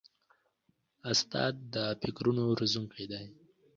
استاد د فکرونو روزونکی دی.